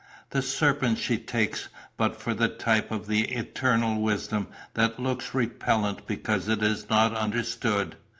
The serpent she takes but for the type of the eternal wisdom that looks repellent because it is not understood.